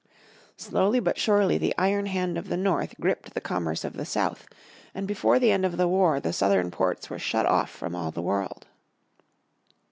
Slowly but surely the iron hand of the North gripped the commerce of the South, and before the end of the war the Southern ports were shut off from all the world.